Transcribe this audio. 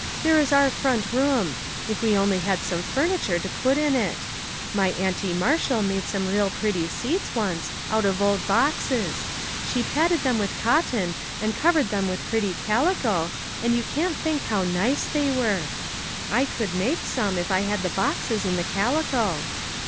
There is our front room. If we only had some furniture to put in it. My Auntie Marshall made some real pretty seats once, out of old boxes ; she padded them with cotton, and covered them with pretty calico, and you can't think how nice they were. I could make some, if I had the boxes and the calico."